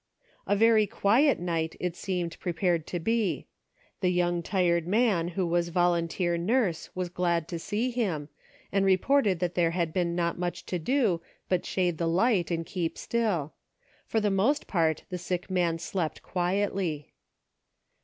A very quiet night it seemed prepared to be. The tired young man who was volunteer nurse 314 CIRCLES WITHIN CIRCLES. was glad to see him, and reported that there had not been much to do but shade the light and keep still ; for the most part, the sick man slept quietly.